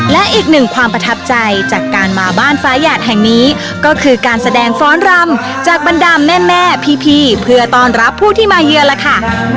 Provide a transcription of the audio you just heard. และอีกหนึ่งความประทับใจจากการมาบ้านฟ้าหยาดแห่งนี้ก็คือการแสดงฟ้อนรำจากบรรดามแม่พี่เพื่อต้อนรับผู้ที่มาเยือนล่ะค่ะ